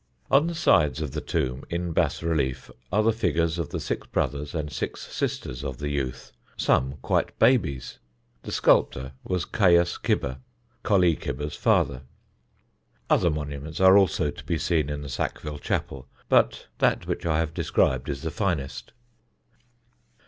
On the sides of the tomb, in bas relief, are the figures of the six brothers and six sisters of the youth, some quite babies. The sculptor was Caius Cibber, Colley Cibber's father. Other monuments are also to be seen in the Sackville Chapel, but that which I have described is the finest.